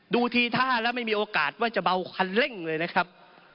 ดูทีท่าแล้วไม่มีโอกาสว่าจะเบาคันเร่งเลยนะครับ